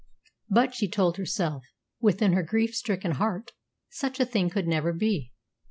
But, she told herself within her grief stricken heart, such a thing could never be.